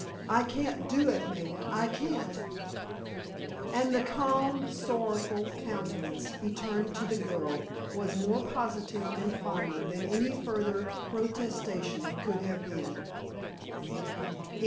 I can't do it, Maida—I can't." And the calm, sorrowful countenance he turned to the girl was more positive and final than any further protestation could have been.